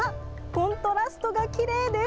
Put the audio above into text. コントラストがきれいです。